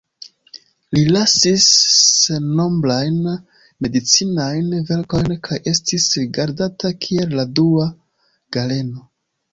Li lasis sennombrajn medicinajn verkojn kaj estis rigardata kiel la dua Galeno.